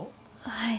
はい。